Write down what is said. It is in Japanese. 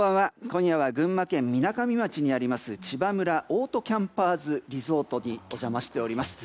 今夜は群馬県みなかみ町にありますちばむらオートキャンパーズリゾートにお邪魔しております。